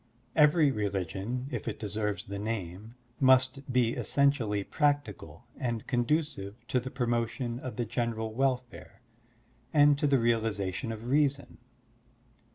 Every religion, if it deserves the name, must be essentially practical and conducive to the promotion of the general welfare and to the realization of Reason.